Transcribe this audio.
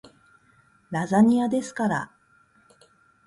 ラザニアですから